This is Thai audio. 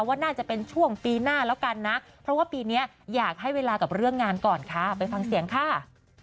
ว่าน่าจะเป็นช่วงปีหน้าแล้วกันนะเพราะว่าปีนี้อยากให้เวลากับเรื่องงานก่อนค่ะไปฟังเสียงค่ะ